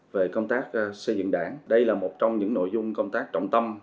về công tác xây dựng đảng đây là một trong những nội dung công tác trọng tâm